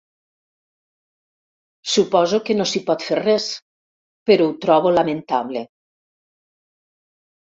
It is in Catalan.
Suposo que no s'hi pot fer res, però ho trobo lamentable.